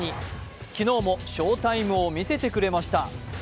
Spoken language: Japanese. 昨日も翔タイムを見せてくれました。